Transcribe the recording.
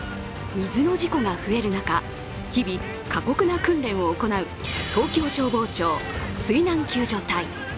水の事故が増える中、日々、過酷な訓練を行う東京消防庁、水難救助隊。